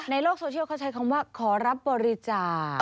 ในโลกโซเชียลเขาใช้คำว่าขอรับบริจาค